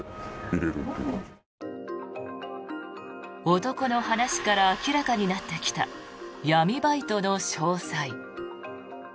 男の話から明らかになってきた闇バイトの詳細。